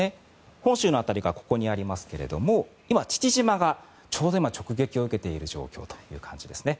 本州の辺りがここにありますけれども今、父島がちょうど直撃を受けている状況ですね。